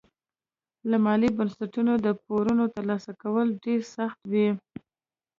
له مالي بنسټونو د پورونو ترلاسه کول ډېر سخت وي.